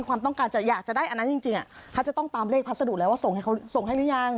การจะอยากจะได้อันนั้นจริงฮัตจะต้องตามเลขพัสดุแล้วว่าส่งให้หรือยัง